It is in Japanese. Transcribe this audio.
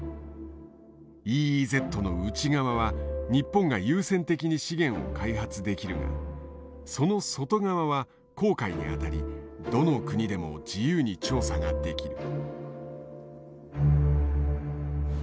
ＥＥＺの内側は日本が優先的に資源を開発できるがその外側は公海にあたりどの国でも自由に調査ができる。